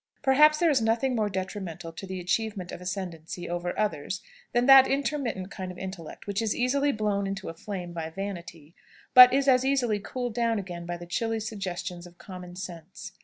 Perhaps there is nothing more detrimental to the achievement of ascendancy over others than that intermittent kind of intellect, which is easily blown into a flame by vanity, but is as easily cooled down again by the chilly suggestions of common sense.